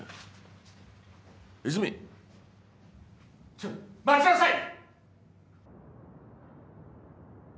ちょっ待ちなさい！